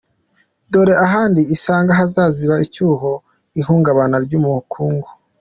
Dore ahandi isanga hazaziba icyuho mu ihungabana ry’ubukungu